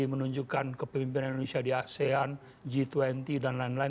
menunjukkan kepemimpinan indonesia di asean g dua puluh dan lain lain